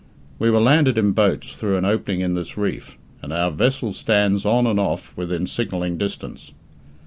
We were landed in boats through an opening in this reef, and our vessel stands on and off within signalling distance.